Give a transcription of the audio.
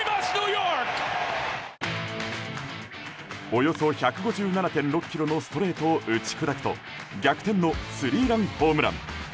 およそ１５７．６キロのストレートを打ち砕くと逆転のスリーランホームラン。